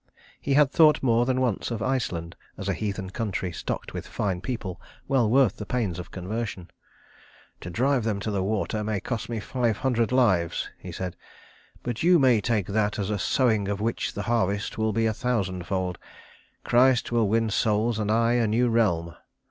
He had thought more than once of Iceland as a heathen country stocked with fine people well worth the pains of conversion. "To drive them to the water may cost me five hundred lives," he said, "but you may take that as a sowing of which the harvest will be a thousandfold. Christ will win souls and I a new realm."